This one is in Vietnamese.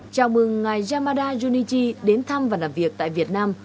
chào mừng ngài yamada junichi đến thăm và làm việc tại việt nam